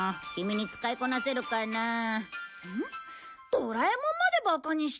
ドラえもんまでバカにして。